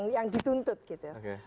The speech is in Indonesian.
yang dituntut gitu